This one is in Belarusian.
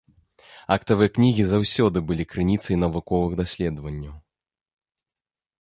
Актавыя кнігі заўсёды былі крыніцай навуковых даследаванняў.